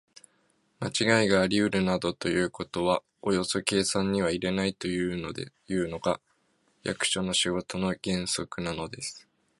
まちがいがありうるなどということはおよそ計算には入れないというのが、役所の仕事の原則なのです。